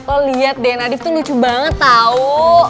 lo lihat deh nadif itu lucu banget tau